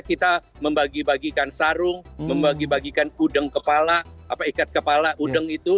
kita membagi bagikan sarung membagi bagikan udeng kepala ikat kepala udeng itu